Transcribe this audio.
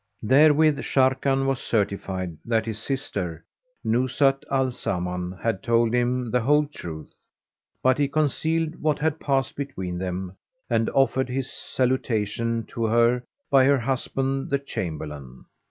Therewith Sharrkan was certified that his sister, Nuzhat al Zaman, had told him the whole truth; but he concealed what had passed between them; and offered his salutation to her by her husband the Chamberlain.